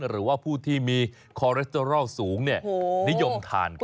หรือว่าผู้ที่มีคอเรสเตอรอลสูงนิยมทานกัน